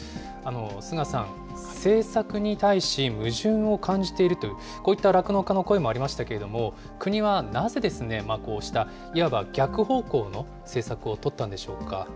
須川さん、政策に対し矛盾を感じているという、こういった酪農家の声もありましたけれども、国はなぜこうした、いわば逆方向の政策を取ったんでしょうか。